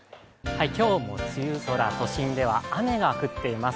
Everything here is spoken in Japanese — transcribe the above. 今日も梅雨空都心では雨が降っています。